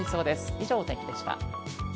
以上、お天気でした。